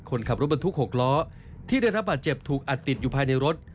คนขับรถบรรทุก๖ล้อที่ได้รับบาดเจ็บถูกอัดติดอยู่ภายในรถ